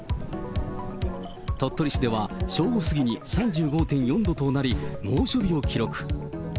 鳥取市では正午過ぎに３５．４度となり、猛暑日を記録。